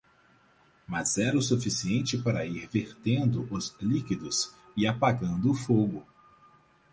Mas era o suficiente para ir vertendo os líquidos e apagando o fogo.